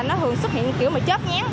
nó thường xuất hiện kiểu mà chớp nhén